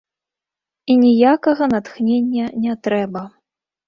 І ніякага натхнення не трэба.